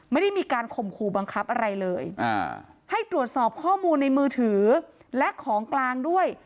ไม่ได้มีการข่มขู่บังคับอะไรเลยให้ตรวจสอบข้อมูลในมือถือและของกลางด้วย